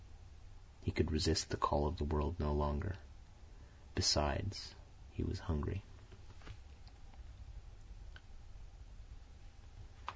He could resist the call of the world no longer. Besides, he was hungry.